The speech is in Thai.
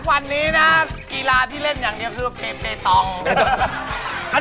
ทุกวันนี้รีคีราที่เริ่มอย่างนี้ต้องกลับ